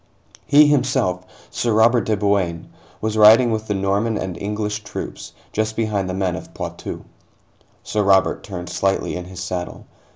He himself, Sir Robert de Bouain, was riding with the Norman and English troops, just behind the men of Poitou. Sir Robert turned slightly in his saddle.